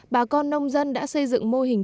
bà con nông dân đã xây dựng mô hình trồng mướp đắng